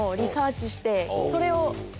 それを。